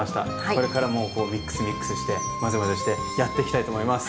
これからもミックスミックスしてまぜまぜしてやっていきたいと思います。